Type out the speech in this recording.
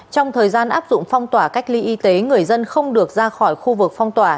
trong thời gian áp dụng phong tỏa cách ly y tế người dân không được ra khỏi khu vực phong tỏa